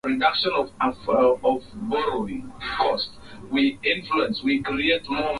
Mtoto aliyepotea ameonekana ingawa walioenda kumtafuta hawajarudi.